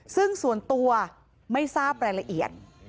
ซึ่งส่วนตัวไม่ทราบรายละเอียด